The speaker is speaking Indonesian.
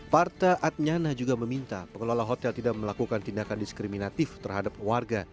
parte adnyana juga meminta pengelola hotel tidak melakukan tindakan diskriminatif terhadap warga